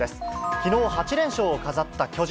きのう８連勝を飾った巨人。